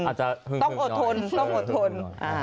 อาจจะหึ่งนอนต้องอดทน